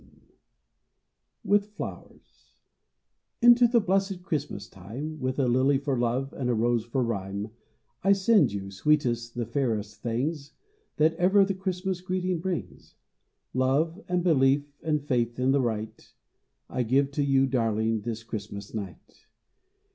l^JVi^A Flowers^ NTO the blessed Christmas time (With a lily for love and a rose for rhyme) I send you, sweetest, the fairest things That ever the Christmas greeting brings, — Love, and belief, and faith in the right, I give to you, darling, this Christmas night.